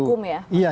kesalahan hukum ya